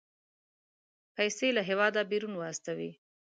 پيسې له هېواده بيرون واستوي.